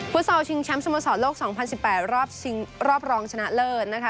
ตลชิงแชมป์สโมสรโลก๒๐๑๘รอบรองชนะเลิศนะคะ